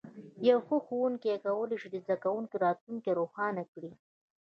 یو ښه ښوونکی کولی شي د زده کوونکي راتلونکی روښانه کړي.